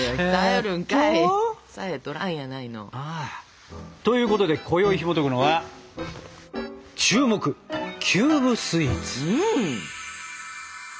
さえとらんやないの。ということでこよいひもとくのは「注目！キューブスイーツ」。